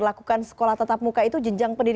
dalam tahap awal